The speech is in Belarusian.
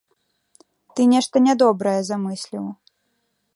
Ты нешта нядобрае замысліў.